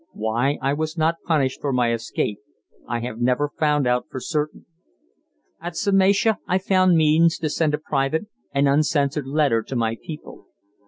Why I was not punished for my escape I have never found out for certain. At Psamatia I found means to send a private and uncensored letter to my people.